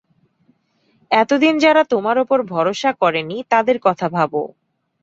এতদিন যারা তোমার ওপর ভরসা করেনি, তাদের কথা ভাবো।